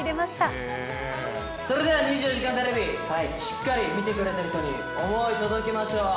それでは２４時間テレビ、しっかり見てくれてる人に想いを届けましょう。